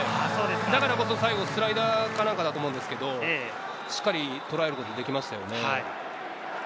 だからこそ最後スライダーかなんかだったと思うんですけれど、しっかりとらえることができました。